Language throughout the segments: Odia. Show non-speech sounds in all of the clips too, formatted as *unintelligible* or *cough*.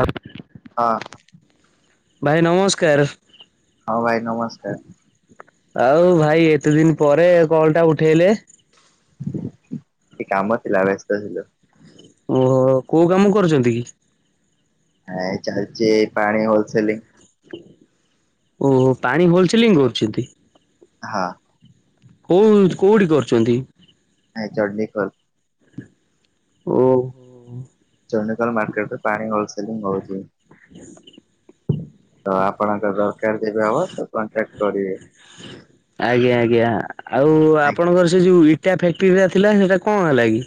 ଆ ହଁ ଭାଇ ନମସ୍କାର। ହଁ ଭାଇ ନମସ୍କାର। ଆଉ ଭାଇ ଏତେ ଦିନ ପରେ କଲ୍ ଟା ଉଠେଇଲେ। ଟିକେ କାମ ଥିଲା ବ୍ୟସ୍ତ ଥିଲୁ। ଓହୋ କୋଉ କାମ କରୁଚନ୍ତି କି? ଏଇ ଚାଲିଚି ପାଣି ହୋଲସୋଲିଂ। ଓହୋ ପାଣି ହୋଲସୋଲିଂ କରୁଛନ୍ତି। ହାଁ। କୋଉ କୋଉଠି କରୁଛନ୍ତି? ନାଇଁ ଚଣ୍ଡିଖୋଲ୍। ଓହୋ। ଚଣ୍ଡିଖୋଲ୍ ମାର୍କେଟ ରେ ପାଣି ହୋଲସେଲିଂ ହୋଉଚି। ତ ଆପଣଙ୍କର କ୍ୟାଦି ହବା ତ କଣ୍ଟାକ୍ଟ କରିବି। ହ ଆଜ୍ଞା ଆଜ୍ଞା ଆଉ ଆପଣଙ୍କର ସେ ଯୋଉ ଇଟା ଫ୍ୟାକ୍ଟ୍ରିଟା ଥିଲା ସେଟା କଣ ହେଲା କି?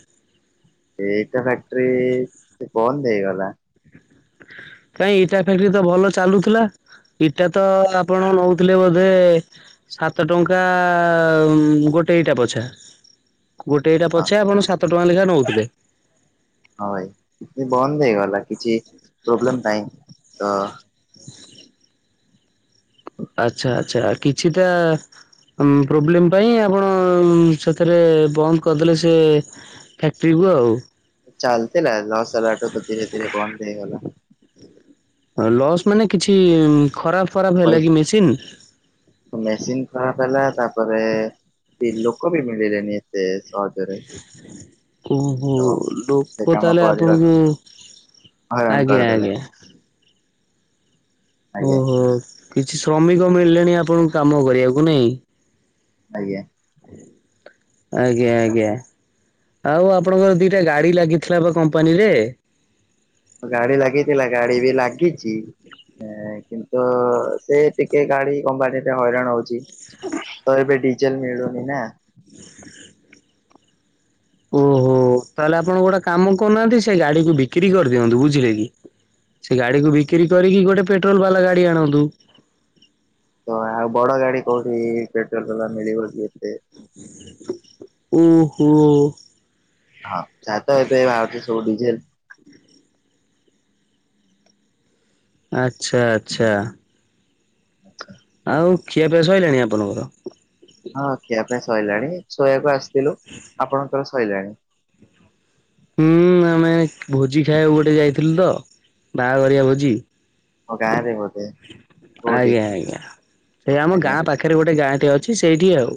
ଏଇଟା ଫ୍ୟାକ୍ଟ୍ରିରି ସେ କଣ ନେଇଗଲା। କାଇଁ ଇଟା ଫ୍ୟାକ୍ଟ୍ରି ତ ଭଲ ଚାଲୁଥିଲା। ଇଟା ତ ଆପଣ ନୋଉଥିଲେ ବୋଧେ ସାତ ଟଙ୍କା ଗୋଟେ ଇଟା ପଛା। ଗୋଟେ ଇଟା ହଁ ପଛେ ଆପଣ ସାତ ଟଙ୍କା ଲେଖେଁ ନୋଉଥିଲେ। ହଁ ଭାଇ ବନ୍ଦ ହେଇଗଲା କିଛି ପ୍ରୋବ୍ଲେମ୍ ପାଇଁ ତ ଆଚ୍ଛା ଆଚ୍ଛା କିଛି ଟା ପ୍ରୋବ୍ଲେମ୍ ପାଇଁ ଆପଣ ସେଥିରେ ବନ୍ଦ କରିଦେଲେ ସେ ଫ୍ୟାକ୍ଟ୍ରି କୁ ଆଉ। ଚାଲିଥିଲା ଲସ୍‌ ହେଲାଠୁ ତ ଧୀରେ ଧୀରେ ବନ୍ଦ ହେଇଗଲା। ଲସ୍ ମାନେ କିଛି ଖରାପ୍ ଫରାପ୍ ହେଲା କି ମେସିନି? ମେସିନି ଖରାପ୍ ହେଲା ତାପରେ ଲୋକ ବି ମିଳିଲେଣିି। ସେ ସହଜରେ ଓହୋ ତ ସେ ଲୋକ କାମ ତାହେଲେ କରିବା ଆପଣଙ୍କୁ ହଇରାଣ ଆଜ୍ଞା କରିଦେଲେ ଆଜ୍ଞା। ଆଜ୍ଞା ଓହୋ କିଛି ଶ୍ରମିକ ମିଳିଲେଣି ଆପଣଙ୍କୁ କାମ କରିବାକୁ ନାଇଁ। ଆଜ୍ଞା। ଆଜ୍ଞା ଆଜ୍ଞା। ଆଉ ଆପଣଙ୍କର ଦିଟା ଗାଡି ଲାଗିଥିଲା ପା କମ୍ପାନୀ ରେ? ଗାଡି ଲାଗିଥିଲା ଗାଡି ବି ଲାଗିଚି। କିନ୍ତୁ ସେ ଟିକେ ଗାଡି ଆମ୍ବାଡିଟେ ହଇରାଣ ହୋଉଚି। ହଁ ଆଉ ଏବେ ଡିଜେଲ୍ ମିଳୁନି ନା? ଓହୋ ତାହେଲେ ଆପଣ ଗୋଟେ କାମ କରୁନାହାନ୍ତି ସେ ଗାଡିକୁୁ ବିକ୍ରି କରିଦିଅନ୍ତୁ ବୁଝିଲେ କି। ସେ ଗାଡିକୁ ବିକ୍ରି କରିକି ଗୋଟେ ପେଟ୍ରୋଲ ବାଲା ଗାଡି ଆଣନ୍ତୁ। ତ ଆଉ ବଡ଼ଗାଡ଼ି କୋଉଠି ପେଟ୍ରୋଲ ବାଲା ମିଳିିବ କି ଏତେ? ଓହୋ। ହଁ ଯାହା ତ ଏବେ ବାହାରୁଚି ସବୁ ଡିଜେଲ। ଆଚ୍ଛା ଆଚ୍ଛା। ଆଚ୍ଛା। ଆଉ ଖିଆପିଆ ସଇଲାଣି ଆପଣଙ୍କର? ହଁ ଖିଆପିଆ ସଇଲାଣି ଶୋଇବାକୁ ଆସିଥିଲୁ ଆପଣଙ୍କର ସଇଲାଣି? ହୁଁ ଆମେ ଭୋଜି ଖାଇବାକୁ ଗୋଟେ ଯାଇଥିଲୁ ତ ବାହାଘରିଆ ଭୋଜି। ଓ ଗାଁରେ ଭୋ ଆଜ୍ଞା ଆଜ୍ଞା ସେଇ ଆମ ଆଜ୍ଞା ଗାଁ ପାଖରେ ଗୋଟେ ଗାଁଟେ ଅଛି ସେଇଠି ଆଉ।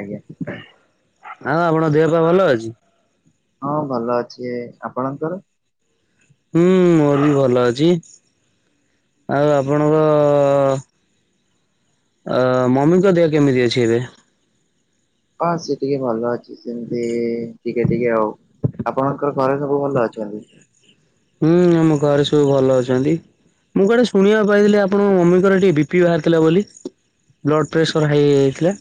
ଆଜ୍ଞା। ଆଉ ଆପଣଙ୍କ ଦେହପାଆ ଭଲ ଅଛି? ହଁ ଭଲ ଅଛି ଆପଣଙ୍କର? ହୁଁ ମୋର ବି ଭଲ ଅଛି। ଆଉ ଆପଣଙ୍କ ଅ ମମିଙ୍କ ଦେହ କେମିତି ଅଛି ଏବେ? ହଁ ସିଏ ଟିକେ ଭଲ ଅଛି ସେମିତି ଟିକେ ଟିକେ ଆଉ। ଆପଣମାନଙ୍କର ଘରେ ସବୁ ଭଲ ଅଛନ୍ତି? ହୁଁ ଆମ ଘରେ ସବୁ ଭଲ ଅଛନ୍ତି। ମୁଁ କୁଆଡେ ଶୁଣିବାକୁ ପାଇଥିଲି ଆପଣଙ୍କ ମମିଙ୍କର ଟିକେ ବି ପି ବାହାରିଥିଲା ବୋଲି। ବ୍ଲଡ଼୍ ପ୍ରେସର ହାଇ ହେଇ ଯାଇଥିଲା।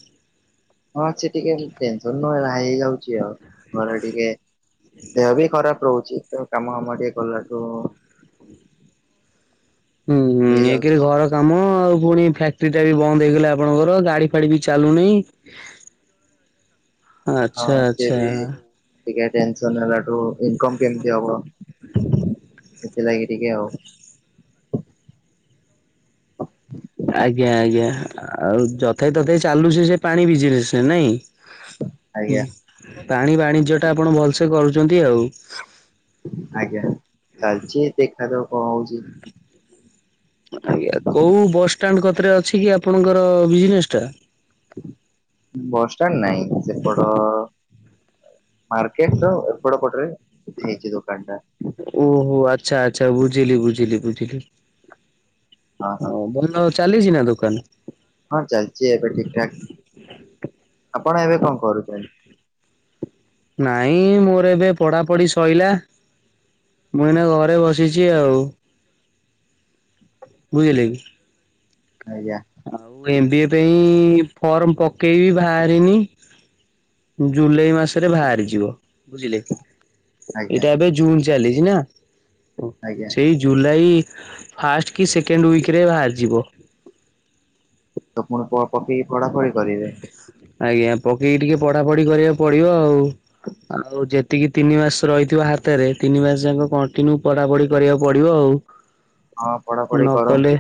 ହଁ ସିଏ ଟିକେ ଟେନସନରୁ ହାଇ ହେଇଯାଉଚି ଆଉ ଘରେ ଟିକେ ଦେହ ବି ଖରାପ ରହୁଚି ତ କାମ ଫାମ ଟିକେ କଲାଠୁ। ଉଁହୁଁ ହେଇଯାଉଛି। ଏକେରେ ଘର କାମ ଆଉ ପୁଣି ଫ୍ୟାକ୍ଟ୍ରି ଟା ବି ବନ୍ଦ ହେଇଗଲେ ଆପଣଙ୍କର ଗାଡିଫାଡି ବି ଚାଲୁନେଇ। ଆଚ୍ଛା ହଁ ସିଏ ଆଚ୍ଛା ବି ଟିକେ ଟେନସନ୍ ହେଲାଠୁ ଇନକମ୍ କେମତି ହବ। ହ ସେଥିଲାଗି ଟିକେ ଆଉ। ଆଜ୍ଞା ଆଜ୍ଞା ଆଉ ଯଥାଇ ତଥାଇ ଚାଲୁଚି ସେ ପାଣି ବିଜିନେସେ ନାଇଁ? ଉଁ ଆଜ୍ଞା ପାଣି ବାଣିଜ୍ୟଟା ଆପଣ ଭଲସେ କରୁଚନ୍ତି ଆଉ। ଆଜ୍ଞା ଚାଲଚି ଦେଖାଯାଉ କଣ ହୋଉଛି। ଆଜ୍ଞା କୋଉ ବସଷ୍ଟାଣ୍ଡ କତିରେ ଅଛି କି ଆପଣଙ୍କର ବିଜନେସଟା? ବସଷ୍ଟାଣ୍ଡ ନାଇଁ ସେପଟ ମାର୍କେଟର ଓପର ପଟରେ ହେଇଚି ଦୋକାନଟା। ଓହୋ ଆଚ୍ଛା ଆଚ୍ଛା ବୁଝିଲି ବୁଝିଲି ବୁଝିଲି ହଁ ଭଲ ଅ ଚାଲିଚି ନା ଦୋକାନ? ହଁ ଚାଲଚି ଏବେ ଠିକଠାକ୍ ଆପଣ ଏବେ କଣ କରୁଚନ୍ତି? ନାଇଁ ମୋର ଏବେ ପଢାପଢି ସଇଲା। ମୁ ଏଇନା ଘରେ ବସିଚି ଆଉ। ବୁଝିଲେକି? ଆଜ୍ଞା। ଆଉ ଏମ୍ ବି ଏ ପାଇଁ ଫର୍ମ ପକେଇବି ବାହାରିନି। ଜୁଲାଇ ମାସରେ ବାହାରିଯିବ ବୁଝିଲେ? ଆଜ୍ଞା ଏଇଟା ଏବେ ଜୁନ ଚାଲିଚି ନା ଓ ଆଜ୍ଞା ସେଇ ଜୁଲାଇ ଫାଷ୍ଟ କି ସେକେଣ୍ଡ ୱିକରେ ବାହାରିଯିବ। ତ ପୁଣି କଣ ପକେଇକି ପଢାପଢି କରିବେ? ଆଜ୍ଞା ପକେଇକି ଟିକେ ପଢାପଢି କରିବାକୁ ପଡିବ ଆଉ। ଆଉ ଯେତିକି ତିନି ମାସ ରହିଥିବ ହାତରେ ତିନି ମାସ ଯାକ କଣ୍ଟିନ୍ୟୁ ପଢାପଢି କରିବାକୁ ପଡିବ ଆଉ। ହଁ ପଢାପଢି ନ କରନ୍ତୁ। କଲେ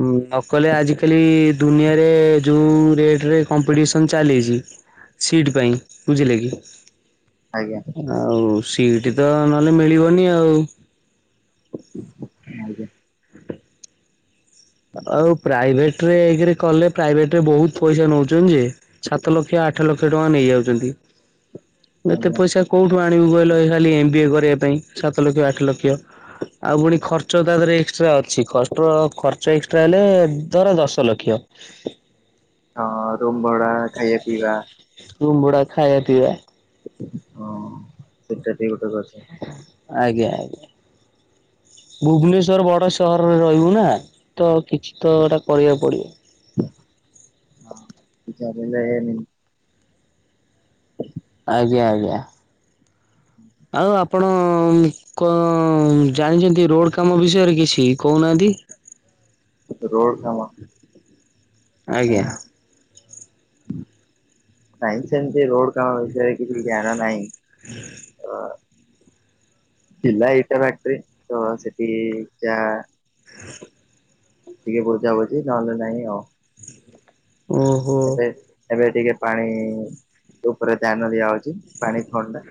ହୁଁ ନ କଲେ ଆଜିକାଲି ଦୁନିଆରେ ଯେଉଁ ରେଟରେ କମ୍ପିଟିସନ୍ ଚାଲିଛି ସିଟ୍ ପାଇଁ ବୁଝିଲେ କି ଆଜ୍ଞା ଆଉ ସିଟ ତ ନହେଲେ ମିଳିବନି ଆଉ ଆଜ୍ଞା ହ ଆଉ ପ୍ରାଇଭେଟରେ ଏକରେ କଲେ ପ୍ରାଇଭେଟରେ ବହୁତ ପଇସା ନଉଛନ୍ତି ଯେ ସାତ ଲକ୍ଷ ଆଠ ଲକ୍ଷ ଟଙ୍କା ନେଇଯାଉଛନ୍ତି। ଏତେ ଆଜ୍ଞା ପଇସା କୋଉଠୁ ଆଣିବୁ କହିଲ ଖାଲି ଏମବିଏ କରିବା ପାଇଁ ସାତ ଲକ୍ଷ ଆଠ ଲକ୍ଷ? ଆଉ ପୁଣି ଖର୍ଚ୍ଚ ତା ଦେହରେ ଏକ୍ସଟ୍ରା ଅଛି ଖଟ୍ର ଖ ସେଇ ଏକ୍ସଟ୍ରା ହେଲେ ଧର ଦଶ ଲକ୍ଷ। ହଁ ରୁମ୍ ଭଡା ଖାଇବା ପିଇବା। ରୁମ ଭୁଡା ଖାଇବା ପିଇବା। ହଁ ସେଟା ବି ଗୋଟେ କଥ ଆଜ୍ଞା ଆଜ୍ଞା। ଭୁବନେଶ୍ଵର ବଡ ସହରରେ ରହିବୁ ନା ତ କିଛି ତ ଏଇଟା କରିବାକୁ ପଡିବ। ହଁ ବିଚାରେ *unintelligible* ଆଜ୍ଞା ଆଜ୍ଞା। ଆଉ ଆପଣ କଣ ଜାଣିଛନ୍ତି ରୋଡ କାମ ବିଷୟରେ କିଛି କହୁନାହାନ୍ତି। ରୋଡ୍ କାମ ଆଜ୍ଞା। ଆଁ, ନାଇଁ ସେମିତି ରୋଡ କାମ ବିଷୟରେ କିଛି ଜାଣ ନାହିଁ। ଅ ଥିଲା ଇଟା ଫକ୍ଟ୍ରି ତ ସେଠି ଚା ଟିକେ ବୁଝା ବୁଛି ନହେଲେ ନାଇଁ ଆଉ। ଓହୋ! ଏବେ ଏବେ ଟିକେ ପାଣି ଉପରେ ଧ୍ୟାନ ଦିଆଯାଉଛି ପାଣି ଥଣ୍ଡା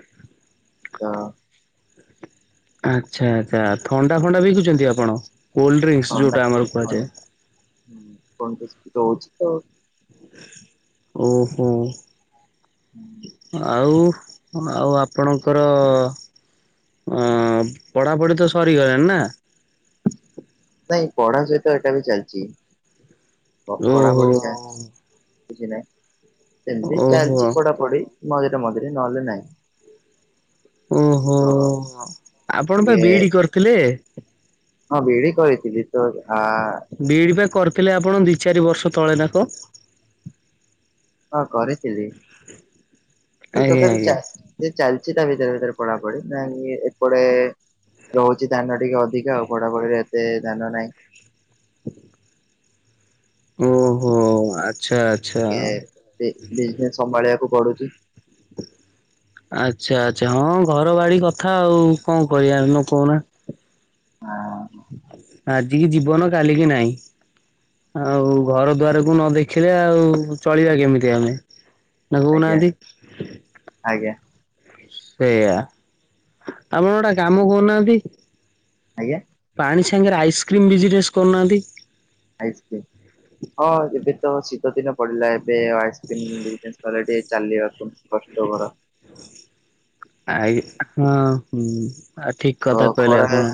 ତ ଆଚ୍ଛା ଆଚ୍ଛା ଥଣ୍ଡା ଫଣ୍ଡା ବିକୁଛନ୍ତି ଆପଣ କୋଲ୍ଡ୍ରିଙ୍କସ୍ ଥଣ୍ଡା ଯଉଟା ଆମର ଥଣ୍ଡା କୁହାଯାଏ। *unintelligible* ଓହୋ ଆଉ ହ ଆଉ ଆପଣଙ୍କର ତଅ ପଢାପଢି ତ ସରିଗଲେଣି ନା? ନାଇଁ ପଢା ସହିତ ଏଟା ବି ଚାଲିଛି କପଡା ଓହୋ। ବହିଟା କିଛି ନାହିଁ ସେମିତି ଓହୋ ଚାଲିଛି ପଢାପଢି ମଝିରେ ମଝିରେ ନହେଲେ ନାହିଁ। ଓହୋ ତ ଆପଣ ପା ଟିକେ ବି ଡି କରିଥିଲେ। ହଁ ବି ଡ଼ି କରିଥିଲି ତ ଆ ବି ଡି ପା କରିଥିଲେ ଆପଣ ଦି ଚାରି ବର୍ଷ ତଳେ ନା କଣ? ହଁ କରିଥିଲି ସେ ଆଜ୍ଞା ତଥାପି ଆଜ୍ଞା। ଚା ସେ ଚାଲିଛି ତା ଭିତରେ ଭିତରେ ପଢା ପଢି ନାକି ଏପଡେ ରହୁଛି ଧ୍ୟାନ ଟିକେ ଅଧିକା ଆଉ ପଢାପଢିରେ ଏତେ ଧ୍ୟାନ ନାହିଁ। ଓହୋ ଆଚ୍ଛା! ଆଚ୍ଛା। ଏ ବିଜନେସ୍ ସମ୍ଭାଳିବାକୁ ପଡୁଛି। ଆଚ୍ଛା ଆଚ୍ଛା ହଁ ଘର ବାଡି କଥା ଆଉ କଣ କରିଆ ନ କହୁନା। ହଁ। ଆଜିିକି ଜୀବନ କାଲିକି ନାହିଁ ଆଉ ଘର ଦୁଆରକୁ ନ ଦେଖ ଖିଲେ ଆଉ ଚଳିବା କେମିତି ଆମେ। ନା ଆଜ୍ଞା କହୁନାହାନ୍ତି। ଆଜ୍ଞା। ସେୟା ଆମେ ଗୋଟେ କାମ କରୁନାହାନ୍ତି। ଆଜ୍ଞା। ପାଣି ସାଙ୍ଗରେ ଆଇସ୍କ୍ରିମ୍ ବିଜନେସ୍ କରୁନାହାନ୍ତି। ଆଇସ୍କ୍ରିମ ହଁ ଏବେ ତ ଶୀତ ଦିନ ପଡିଲା ଏବେ ଆଉ ଆଇସ୍କ୍ରିମ ବିଜନେସ କଲେ ଟିକେ ଚାଲିବାକୁ କଷ୍ଟକର। ଆଇ ଆ ହଁ ହୁଁ ଆଉ ଠିକ କଥା କହିଲେ ଆପଣ।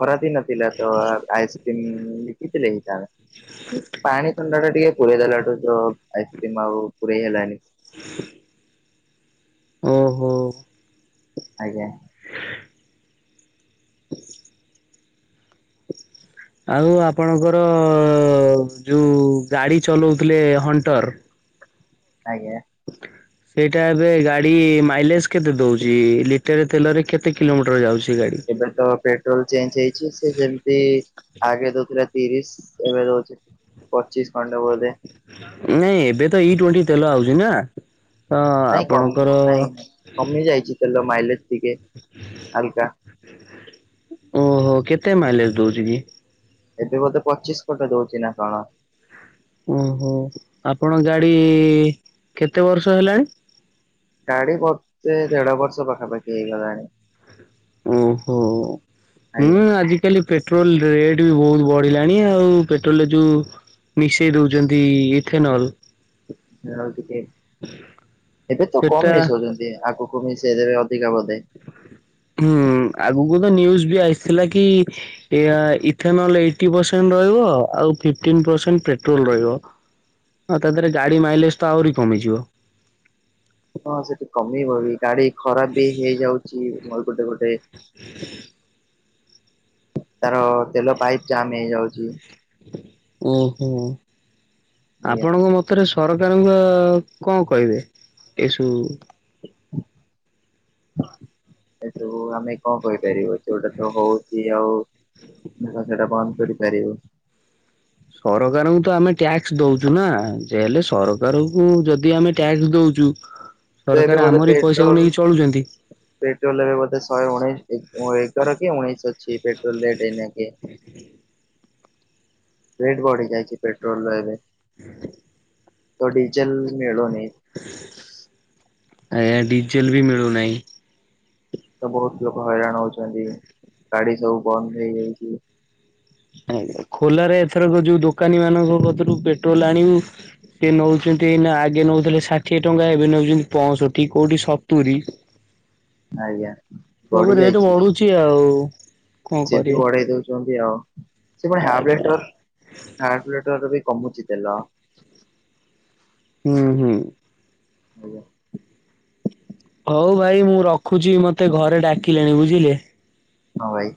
ଖରାଦିନ ଥିଲା ତ ଆଇସ୍କ୍ରିମ ବିକିଥିଲେ ହେଇଥାନ୍ତା। ପାଣି ଥଣ୍ଡା ଟା ଟିକେ ପୁରରେ ଦେଲାଠୁ ତ ଆଇସ୍କ୍ରିମ ଆଉ ପୁରଇ ହେଲନି। ଓହୋ। ଆଜ୍ଞା। ହ ଆଉ ଆପଣଙ୍କର ଯୋଉ ଗାଡି ଚଲାଉଥିଲେ ହଣ୍ଟର। ଆଜ୍ଞା। ଓେ ସେଇଟା ଏବେ ଗାଡି ମାଇଲେଜ କେତେ ଦଉଛି ଲିଟେରେ ତେଲରେ କେତେ କିଲୋମିଟର ଯାଉଛି ଗାଡି। ଏବେ ତ ପେଟ୍ରୋଲ ଚେଞ୍ଜ ହେଇଛି ସେ ସେମତି। ଆଗେ ଦଉଥିଲା ତିରିଶ ଏବେ ରଉଛି ପଚିଶ ଖଣ୍ଡେ ବୋଧେ। ନାଇଁ ଏବେ ତ ଇ ଟ୍ୱେଣ୍ଟି ତେଲ ଆଉଛି ନା। ତ ନାଇଁ କମ୍ ଆପଣଙ୍କର ନାଇଁ ନାଇଁ କମି ଯାଇଛି ତେଲ ମାାଇଲେଜ ଟିକେ। ଅବିକା। ଓହୋ କେତେ ମାଇଲେଜ ଦଉଛି କି। ଏବେ ବୋଧେ ପଚିଶ ଖଣ୍ଡେ ଦଉଛି ନା କଣ। ଓହୋ ଆପଣ ଗାଡି କେତେ ବର୍ଷ ହେଲାଣି। ଗାଡି ବର୍ଷେ ଦେଢ ବର୍ଷ ପାଖା ପାଖି ହେଇ ଗଲାଣି। ଓ ହୋ ଆଜ୍ଞା ହୁଁ ଆଜି। କାଲି ପେଟ୍ରୋଲ ରେଟ୍ ବି ବହୁତ ବଢିଲାଣି ଆଉ ପେଟ୍ରୋଲରେ ଯୋଉ। ମିଶେଇ ଦଉଛନ୍ତି ଇଥେନଲ୍। ଯା ହଉ ଟିକେ ଏବେ ତ କମ ସେଟା ମିଶଉଛନ୍ତି ଆଗୁ କୁ ମିସେଇ ଦେବେ ଅଧିକା ବୋଧେ। ହୁଁ ଆଗକୁ ତ ନ୍ୟୁଜ ବି ଆସିଥିଲା କି। ଏଆ ଇଥନେଲ ଏଇଟି ପରସେଣ୍ଟ ରହିବ ଆଉ ଫିପ୍ଟୀନ ପରସେଣ୍ଟ ପେଟ୍ରୋଲ ରହିବ। ଆଉ ତା ଦେହରେ ଗାଡି ମାଇଲେଜ ତ ଆହୁରି କମିଯିବ। ହଁ ସେଠି କମିବ ବି ଗାଡି ଖରାପ ବି ହେଇଯାଉଛି ଗୋଟେ ଗୋଟେ। ହ ତାର ତେଲ ପାଇପ୍ ଜାମ୍ ହେଇ ଯାଉଛି। ଓହୋ ଆଜ୍ଞା ଆପଣଙ୍କ ମତ ରେ ସରକାରଙ୍କ କଣ କହିବେ ଏସବୁ। ଏସବୁ ଆମେ କଣ କହିପାରିବୁ ଯୋଉଟା ତ ହଉଛି ଆଉ। ଦେଖ ସେଇଟା ବନ୍ଦ କରିପାରିବୁ। ସରକାରଙ୍କୁ ତ ଆମେ ଟ୍ୟାକ୍ସ ଦଉଛୁ ନା ଯେ ହେଲେ ସରକାରଙ୍କୁ ଯଦି ଆମେ ଟ୍ୟାକ୍ସ ଦଉଛୁ। ତ ଏବେ ସରକାର ବୋଧେ ଆମରି ପଇସାକୁ ପେଟ୍ରୋଲ ନେଇକି ଚଳୁଛନ୍ତି। ପେଟ୍ରୋଲ ବୋଧେ ଶଏ ଉଣେଇଶ ଏ ଏଗାର କି ଉଣେଇଶ ଅଛି ପେଟ୍ରୋଲ ରେଟ ଏଇନାକେ। ହ ରେଟ ବଢି ଯାଇଛି ପେଟ୍ରୋଲ ର ଏବେ। ହ ତ ଡିଜେଲ ମିଳୁନି। ଆଜ୍ଞା ଡିଜେଲ ବି ମିଳୁନାହିଁ। ତ ବହୁତ ଲୋକ ହଇରାଣ ହଉଛନ୍ତି ଗାଡି ସବୁ ବନ୍ଦ ହେଇଯାଇଛି। ଆଜ ଖୋଲାରେ ଏଥରକ ଯୋଉ ଦୋକାନୀ ମାନଙ୍କ କତିରୁ ପେଟ୍ରୋଲ ଆଣିବୁ ସେ ନେଉଛନ୍ତି ନା ଆଗେ ନେଉଥିଲେ ଷାଠିଏ ଟଙ୍କା ଏବେ ନେଉଛନ୍ତି ପଞ୍ଚଷଠି କୋଉଠି ସତୁରି ଆଜ୍ଞା ବଢି ସବୁ ରେଟ ଯାଇଛି। ବଢୁଛି ଆଉ। କଣ ସେ ବି କରିବା ବଢେଇ ଦଉଛନ୍ତି ଆଉ ସେ ହାପେ ଆଜ୍ଞା। ଲିଟର ଆଜ୍ଞା ହାପେ ଲିଟରବି କମୁଚି ତେଲ। ହୁଁ ହୁଁ। ଆଜ୍ଞା। ହଉ ଭାଇ ମୁଁ ରଖୁଛି ମତେ ଘରେ ଡାକିଲେଣି ବୁଝିଲେ? ହଁ ଭାଇ।